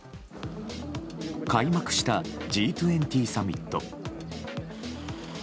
開幕したＧ２０サミット。